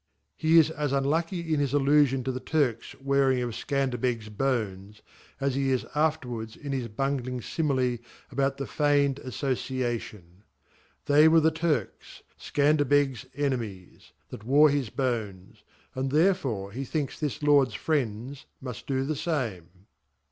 He is as unlucky hi his allufion to the Turks wearing 0/Scander £>egs Bones'; as he is afterwards in his bungling Simile', 'about the feign dAffcchtion. They weritheTurks , Scanderbegs Enemies \ that t xc ore his Bones ; and therefore he thinks this Lords Friends mujfldo the fame.